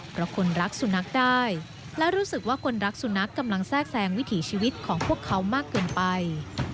เพราะคนรักสุนัขได้และรู้สึกว่าคนรักสุนัขกำลังแทรกแซงวิถีชีวิตของพวกเขามากเกินไป